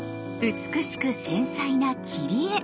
美しく繊細な切り絵！